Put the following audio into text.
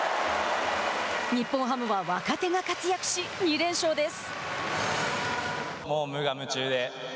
日本ハムは若手が活躍し２連勝です。